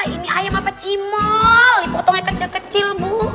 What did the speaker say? ini ayam apa cimol dipotong kecil kecil